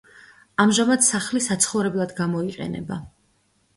ამჟამად სახლი საცხოვრებლად გამოიყენება.